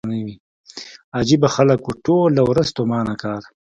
عجيبه خلک وو ټوله ورځ ستومانه کار.